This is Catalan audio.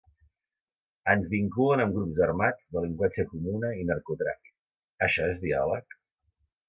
“Ens vinculen amb grups armats, delinqüència comuna i narcotràfic: això és diàleg?”